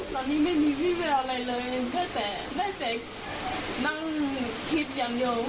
ตอนนี้ไม่มีวิวอะไรเลยเพราะแต่ได้เด็กนั่งคิดอย่างเดียว